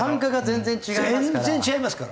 全然違いますから！